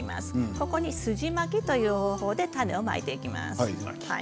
ここに、すじまきという方法で種をまいていきます。